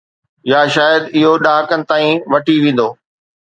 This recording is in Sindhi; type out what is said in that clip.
يا شايد اهو ڏهاڪن تائين وٺي ويندو.